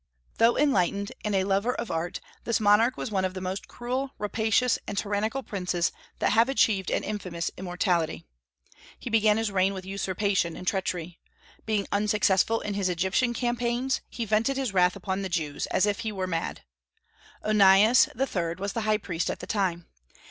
Though enlightened and a lover of art, this monarch was one of the most cruel, rapacious, and tyrannical princes that have achieved an infamous immortality. He began his reign with usurpation and treachery. Being unsuccessful in his Egyptian campaigns, he vented his wrath upon the Jews, as if he were mad. Onias III. was the high priest at the time.